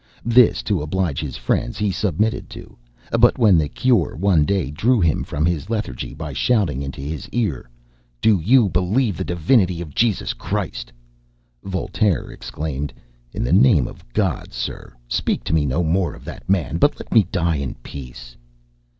This, to oblige his friends, he submitted to; but when the cure one day drew him from his lethargy by shouting into his ear, "Do you believe the divinity of Jesus Christ?" Voltaire exclaimed, "In the name of God, Sir, speak to me no more of that man, but let me die in peace!"